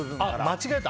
間違えた！